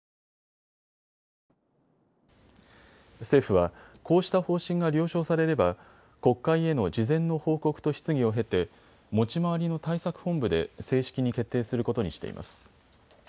政府はこうした方針が了承されれば国会への事前の報告と質疑を経て持ち回りの対策本部で正式に決定することにしています。